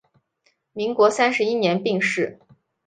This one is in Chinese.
民国三十一年病逝。